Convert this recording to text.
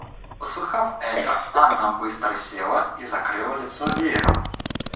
Услыхав это, Анна быстро села и закрыла лицо веером.